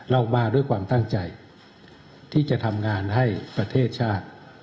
เรามาด้วยความตั้งใจที่จะทำงานให้ประเทศชาติ